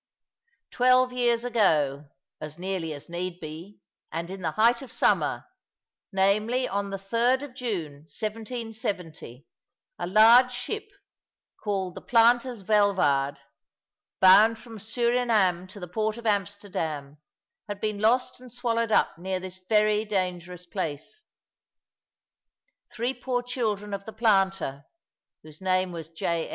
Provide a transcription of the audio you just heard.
Twelve years ago, as nearly as need be, and in the height of summer namely, on the 3d of June 1770 a large ship called the 'Planter's Welvard,' bound from Surinam to the Port of Amsterdam, had been lost and swallowed up near this very dangerous place. Three poor children of the planter (whose name was J.